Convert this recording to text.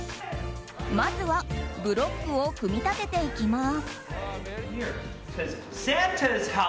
まずはブロックを組み立てていきます。